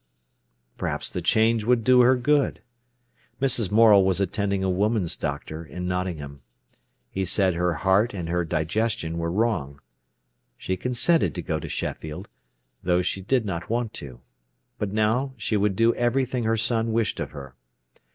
Perhaps the change would do her good. Mrs. Morel was attending a woman's doctor in Nottingham. He said her heart and her digestion were wrong. She consented to go to Sheffield, though she did not want to; but now she would do everything her son wished of her.